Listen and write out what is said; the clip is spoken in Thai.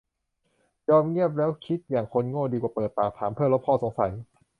ยอมเงียบแล้วคิดอย่างคนโง่ดีกว่าเปิดปากถามเพื่อลบข้อสงสัย